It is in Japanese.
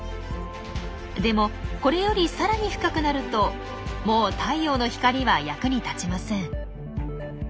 でもこれよりさらに深くなるともう太陽の光は役に立ちません。